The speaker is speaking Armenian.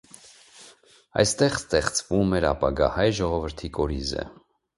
Այստեղ ստեղծվում էր ապագա հայ ժողովրդի կորիզը։